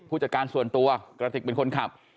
ผู้จัดการส่วนตัวกระติกเป็นคนขับ